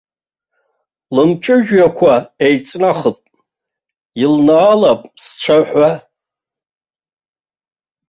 Лымҵәыжәҩақәа еиҵнахып, илнаалап сцәаҳәа.